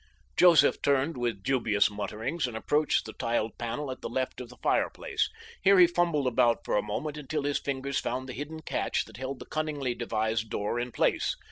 Joseph turned with dubious mutterings and approached the tiled panel at the left of the fireplace. Here he fumbled about for a moment until his fingers found the hidden catch that held the cunningly devised door in place.